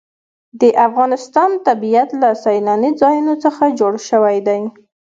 د افغانستان طبیعت له سیلاني ځایونو څخه جوړ شوی دی.